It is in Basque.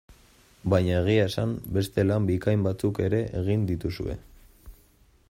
Baina egia esan, beste lan bikain batzuk ere egin dituzue.